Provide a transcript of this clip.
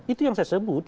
itu yang saya sebut